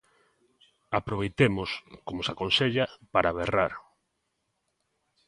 Aproveitemos, como se aconsella, para berrar.